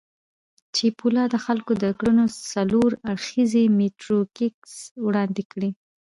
چیپولا د خلکو د کړنو څلور اړخييز میټریکس وړاندې کړ.